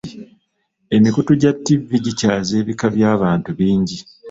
Emikutu gya ttivi gikyaza ebika by'abantu bingi.